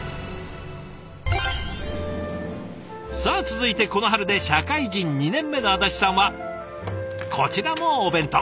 さあ続いてこの春で社会人２年目の安達さんはこちらもお弁当。